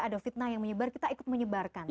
ada fitnah yang menyebar kita ikut menyebarkan